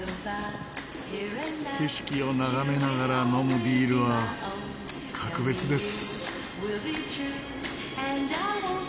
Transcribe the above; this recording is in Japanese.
景色を眺めながら飲むビールは格別です。